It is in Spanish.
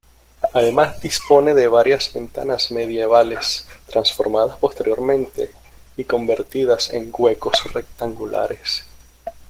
Además dispone de varias ventanas medievales transformadas posteriormente y convertidas en huecos rectangulares.